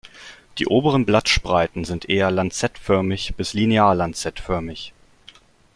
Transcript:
Die oberen Blattspreiten sind eher lanzettförmig bis linear-lanzettförmig.